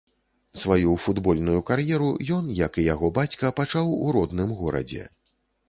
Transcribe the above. Сваю футбольную кар'еру ён, як і яго бацька, пачаў у родным горадзе.